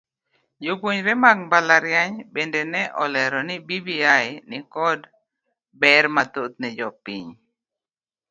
Jopuonjre mag mbalariany bende ne olero ni bbi nikod ber mathoth ne jopiny.